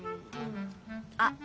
あっ！